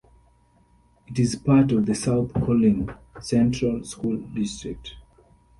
It is part of the South Colonie Central School District.